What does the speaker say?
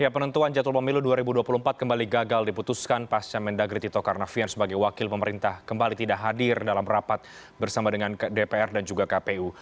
penentuan jadwal pemilu dua ribu dua puluh empat kembali gagal diputuskan pasca mendagri tito karnavian sebagai wakil pemerintah kembali tidak hadir dalam rapat bersama dengan dpr dan juga kpu